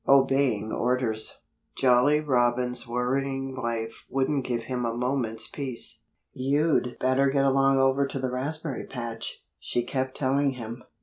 *X* *OBEYING ORDERS* Jolly Robin's worrying wife wouldn't give him a moment's peace. "You'd better get along over to the raspberry patch," she kept telling him.